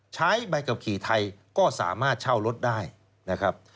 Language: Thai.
ใช้ใบขับขี่ไทยก็สามารถเช่ารถได้นะครับ